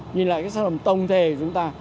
nhìn lại cái sai lầm tổng thể của chúng ta